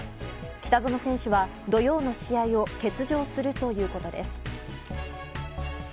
北薗選手は土曜の試合を欠場するということです。